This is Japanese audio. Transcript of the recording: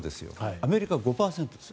アメリカは５％です。